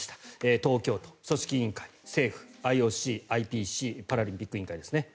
東京都、組織委員会政府、ＩＯＣ、ＩＰＣパラリンピック委員会ですね。